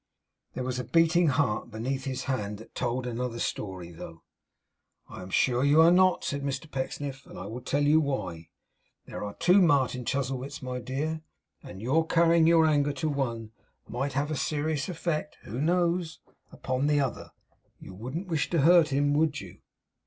There was a beating heart beneath his hand that told another story though. 'I am sure you are not,' said Mr Pecksniff: 'and I will tell you why. There are two Martin Chuzzlewits, my dear; and your carrying your anger to one might have a serious effect who knows! upon the other. You wouldn't wish to hurt him, would you?